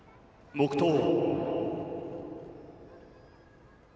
「黙とう」。